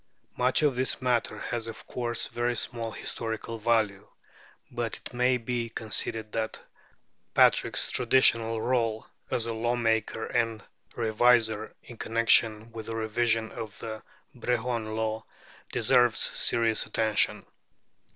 Much of this matter has of course very small historical value; but it may be conceded that Patrick's traditional rôle as a law maker and reviser, in connection with the revision of the Brehon Law, deserves serious attention.